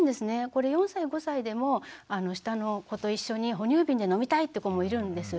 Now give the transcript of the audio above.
これ４歳５歳でも下の子と一緒に哺乳瓶で飲みたいって子もいるんです。